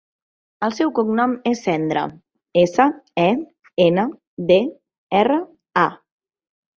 El seu cognom és Sendra: essa, e, ena, de, erra, a.